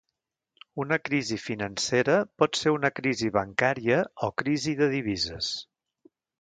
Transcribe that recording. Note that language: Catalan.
Una crisi financera pot ser una crisi bancària o crisi de divises.